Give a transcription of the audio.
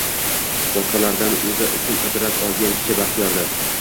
Boshqalardan o’zi uchun ibrat olgan kishi baxtiyordir.